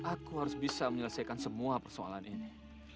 aku harus bisa menyelesaikan semua persoalan ini